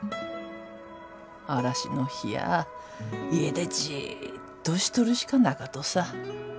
嵐の日や家でじっとしとるしかなかとさ。